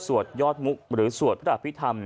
ยอดมุกหรือสวดพระอภิษฐรรม